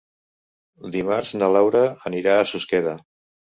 Dimarts na Laura anirà a Susqueda.